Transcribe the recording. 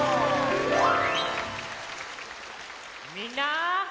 みんな！